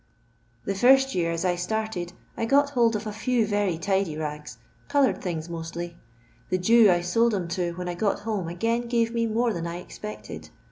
The first year as I started I got hold of a few very tidy ngs, coloured things mostly. The Jew I sold 'em to when I got home again gave me more than I expected.